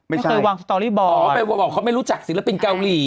ที่เคยวางสตอรี่บอกอ๋อไปบอกเขาไม่รู้จักศิลปินเกาหลี